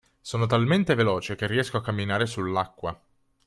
Sono talmente veloce che riesco a camminare sull'acqua.